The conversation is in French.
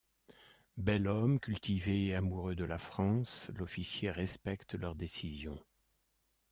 Bel homme cultivé et amoureux de la France, l'officier respecte leur décision.